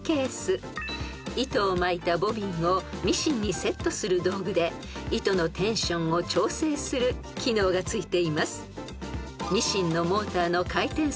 ［糸を巻いたボビンをミシンにセットする道具で糸のテンションを調整する機能がついています］